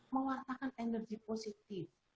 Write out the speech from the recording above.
menguatakan energi positif